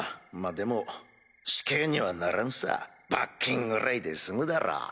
でも死刑にはならんさ罰金ぐらいで済むだろう。